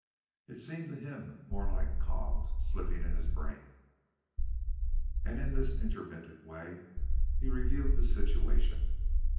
It seemed to him more like cogs slipping in his brain. And in this intermittent way he reviewed the situation.